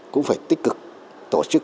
cũng phải tích cực tổ chức